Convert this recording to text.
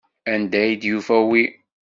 Anda ay d-yufa wi?